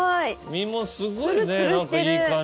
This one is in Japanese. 身もすごいね何かいい感じの。